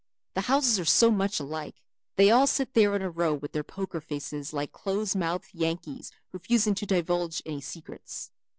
The houses are so much alike. They all sit there in a row with their poker faces like close mouthed Yankees refusing to divulge any secrets.